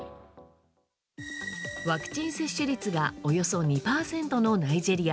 ワクチン接種率がおよそ２％のナイジェリア。